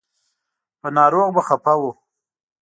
په ناروغ به خفه و.